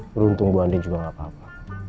beruntung bu andi juga gak apa apa